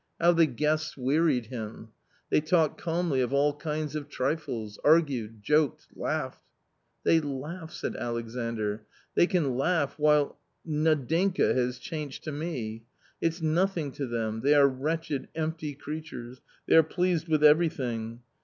How the guests wearied him ! They talked calmly of all kinds of trifles, argued, joked, laughed. "They laugh !" said Alexandr :" they can laugh, while — Nadinka — has changed to me ! It's nothing to them ! They are wretched, empty creatures ; they are pleased with every thing